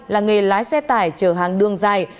là nghề lái xe tải chờ hàng đường dài